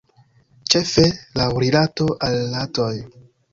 Ĉefe, laŭ rilato al ratoj.